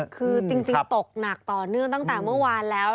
คือจริงตกหนักต่อเนื่องตั้งแต่เมื่อวานแล้ว